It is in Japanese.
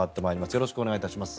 よろしくお願いします。